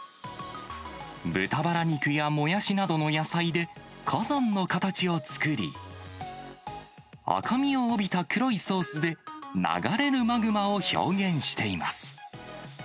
豚ばら肉やモヤシなどの野菜で火山の形を作り、赤みを帯びた黒いソースで、流れるマグマを表現しています。